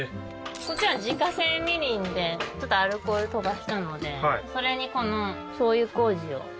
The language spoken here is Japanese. こっちは自家製みりんでちょっとアルコール飛ばしたのでそれにこのしょう油麹を。